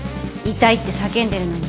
痛いって叫んでるのに。